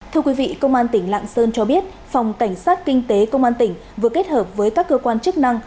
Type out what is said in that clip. thưa quý vị công an tỉnh lạng sơn cho biết phòng cảnh sát kinh tế công an tỉnh vừa kết hợp với các cơ quan chức năng